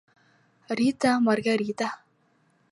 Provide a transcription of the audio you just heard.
Рита, Маргарита.